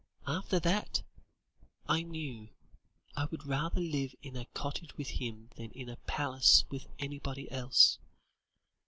After that, I knew I would rather live in a cottage with him than in a palace with anybody else.